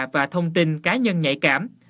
và thông tin cá nhân nhạy cảm